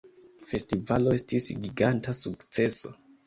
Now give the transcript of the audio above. Festivalo estis giganta sukceso